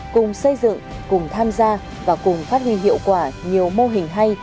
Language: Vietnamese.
cùng xây dựng cùng tham gia và cùng phát huy hiệu quả nhiều mô hình hay